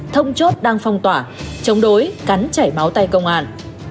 thông chốt đang phong tỏa chống đối cắn chảy máu tay công an